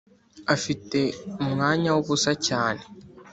afite umwanya wubusa cyane.